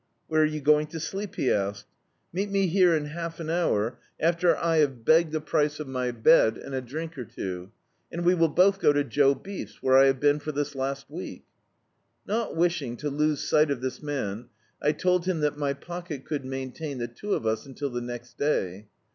"Where are you going to sleep?" he asked. "Meet me here in half an hour, after I have begged the price of my D,i.,.db, Google Off Again bed, and a drink or two — and we will both go to Joe Beefs, where I have been for this last week." Not wishing to lose si^t of this man, I told him that my pocket could maintain the two of us until the next day.